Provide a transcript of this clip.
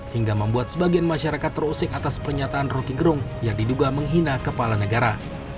hingga membuat sebagian masyarakat terusik atas pernyataan roky gerung yang diduga menghina kepala negara